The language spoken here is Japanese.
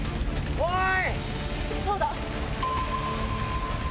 おい！